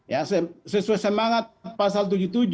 ya sesuai semangat pasal tujuh puluh tujuh